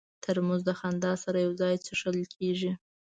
ترموز د خندا سره یو ځای څښل کېږي.